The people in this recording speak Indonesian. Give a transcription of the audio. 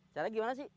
cara bagaimana sih